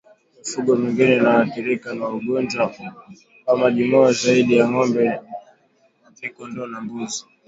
Mifugo mingine inayoathirika na ugonjwa wa majimoyo zaidi ya ngombe ni kondoo na mbuzi